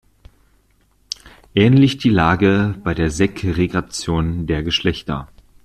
Ähnlich die Lage bei der Segregation der Geschlechter.